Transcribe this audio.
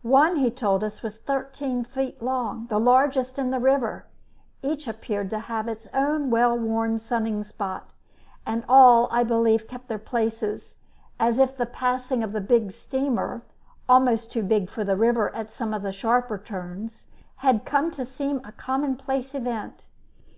One, he told us, was thirteen feet long, the largest in the river. Each appeared to have its own well worn sunning spot, and all, I believe, kept their places, as if the passing of the big steamer almost too big for the river at some of the sharper turns had come to seem a commonplace event.